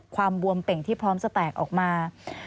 บวมเป่งที่พร้อมจะแตกออกมา